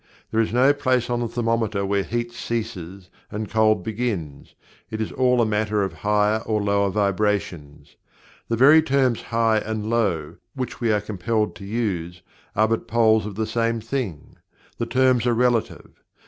There is no place on the thermometer where heat ceases and cold begins. It is all a matter of higher or lower vibrations. The very terms "high" and "low," which we are compelled to use, are but poles of the same thing the terms are relative.